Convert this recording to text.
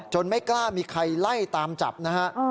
ไม่กล้ามีใครไล่ตามจับนะฮะ